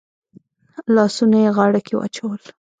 لاسونه يې غاړه کې واچول.